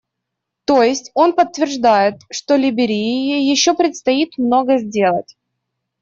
То есть, он подтверждает, что Либерии еще предстоит многое сделать.